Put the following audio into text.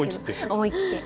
思い切って。